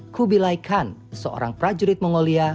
kubilai khan seorang prajurit mongolia